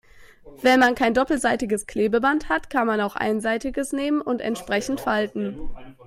Wenn man kein doppelseitiges Klebeband hat, kann man auch einseitiges nehmen und entsprechend falten.